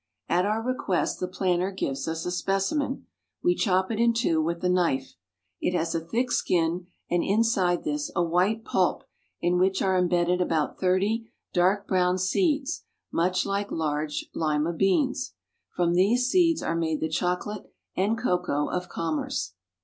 At our request the planter gives us a specimen. We chop it in two with a knife. It has a thick skin, and inside this a white pulp in which are imbedded about thirty dark brown seeds much like large lima beans. From these seeds are made the chocolate and cocoa of commerce.